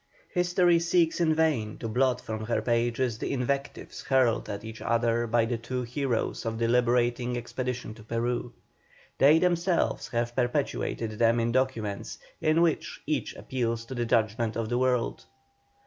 History seeks in vain to blot from her pages the invectives hurled at each other by the two heroes of the liberating expedition to Peru. They themselves have perpetuated them in documents, in which each appeals to the judgment of the world.